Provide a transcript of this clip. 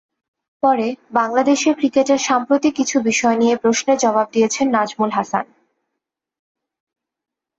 পরে বাংলাদেশের ক্রিকেটের সাম্প্রতিক কিছু বিষয় নিয়ে প্রশ্নের জবাব দিয়েছেন নাজমুল হাসান।